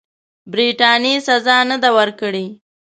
برټانیې سزا نه ده ورکړې.